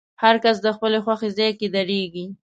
هر کس د خپلې خوښې ځای کې درېږي.